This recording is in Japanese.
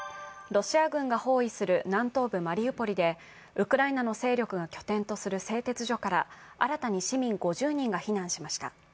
ロシア軍が包囲する南東部マリウポリでウクライナの勢力が拠点とする製鉄所から新たに市民５０人が避難しました。